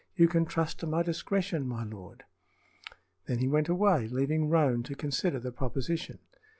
You can trust to my discretion, my lord." Then he went away, leaving Roane to consider the proposition.